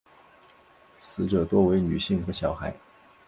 死者多为女性和小孩。